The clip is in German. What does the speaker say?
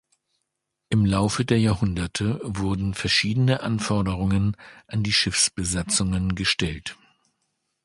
Im Laufe der Jahrhunderte wurden verschiedene Anforderungen an die Schiffsbesatzungen gestellt.